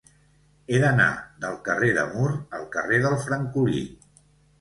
He d'anar del carrer de Mur al carrer del Francolí.